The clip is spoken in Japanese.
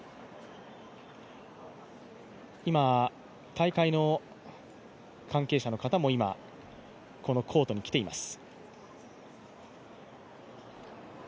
大会の関係者の方も今、コートに来ています。